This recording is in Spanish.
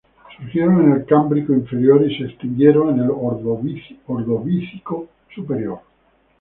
Surgieron en el Cámbrico Inferior y se extinguieron en el Ordovícico Superior.